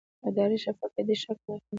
اداري شفافیت د شک مخه نیسي